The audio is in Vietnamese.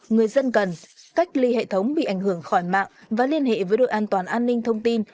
người dân cần cách ly hệ thống bị ảnh hưởng khỏi mạng và liên hệ với đội an toàn an ninh thông tin